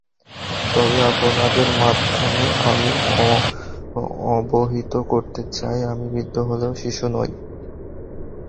তবে আপনাদের মাধ্যমে আমি অবহিত করতে চাই, আমি বৃদ্ধ হলেও শিশু নই।